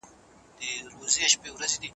دښت به دې ګلونه وي ډک به دې سیندونه وي